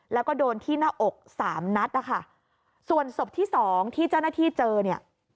แล้วก็โดนที่หน้าอกสามนัดนะคะส่วนศพที่สองที่เจ้าหน้าที่เจอเนี่ย